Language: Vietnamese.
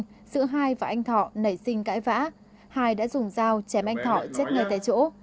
giữa hai và anh thọ nảy sinh cãi vã hai đã dùng dao chém anh thọ chết ngay tại chỗ